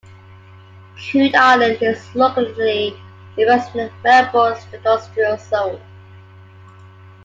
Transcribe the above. Coode Island is a locality in West Melbourne's industrial zone.